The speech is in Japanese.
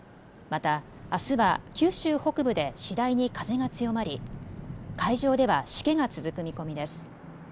またあすは九州北部で次第に風が強まり海上では、しけが続く見込みです。